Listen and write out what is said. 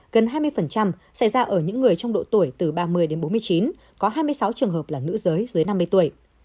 gần hai mươi xảy ra ở những người trong độ tuổi từ ba mươi đến bốn mươi chín có hai mươi sáu trường hợp là nữ giới dưới năm mươi tuổi